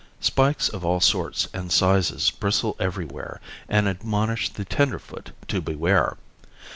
Spikes of all sorts and sizes bristle everywhere and admonish the tenderfoot to beware.